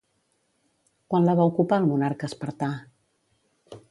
Quan la va ocupar el monarca espartà?